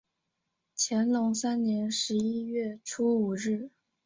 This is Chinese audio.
乾隆三年十一月初五日。